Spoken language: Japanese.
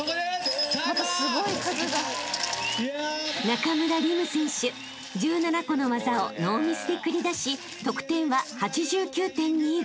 ［中村輪夢選手１７個の技をノーミスで繰り出し得点は８９．２５］